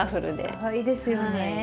かわいいですよね。